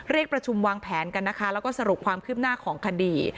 เรียกประชุมวางแผนกันนะคะแล้วก็สรุปความคืบหน้าของคดี